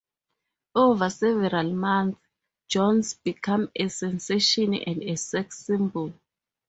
Over several months, Jones became a sensation and a sex symbol.